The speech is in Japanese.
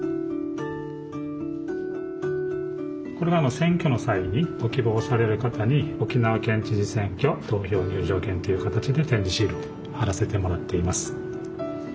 これが選挙の際にご希望される方に「沖縄県知事選挙投票入場券」という形で点字シールを貼らせてもらっています。